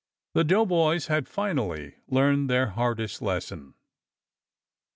The doughboys had finally learned their hardest lesson.